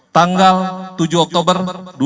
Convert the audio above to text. tanggal tujuh oktober dua ribu enam belas